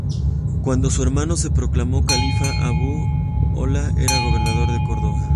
Cuando su hermano se proclamó califa, Abu l-Ola era gobernador de Córdoba.